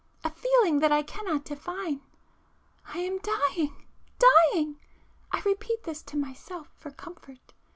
a feeling that I cannot define. I am dying ... dying!—I repeat this to myself for comfort